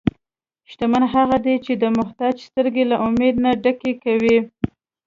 شتمن هغه دی چې د محتاج سترګې له امید نه ډکې کوي.